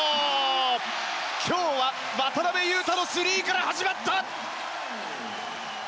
今日は渡邊雄太のスリーから始まった！